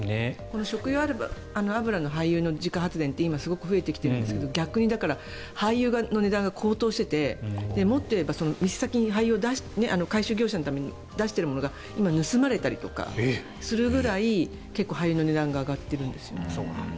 食用油の廃油の自家発電って今、増えてきてるんですけど逆に廃油の値段が高騰しててもっと言えば店先に回収業者のために出しているものが今盗まれたりするぐらい結構、廃油の値段が上がってるんです。